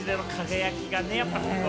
やっぱ。